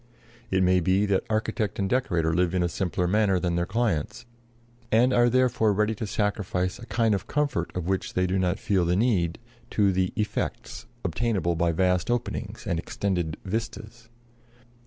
It may be that architect and decorator live in a simpler manner than their clients, and are therefore ready to sacrifice a kind of comfort of which they do not feel the need to the "effects" obtainable by vast openings and extended "vistas."